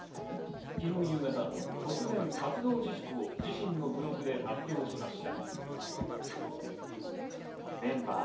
昨日夕方、突然、活動自粛を自身のブログで発表しました。